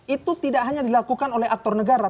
itu tidak hanya dilakukan oleh aktor negara